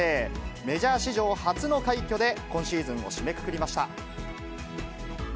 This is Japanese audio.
メジャー史上初の快挙で今シーズンを締めくくりました。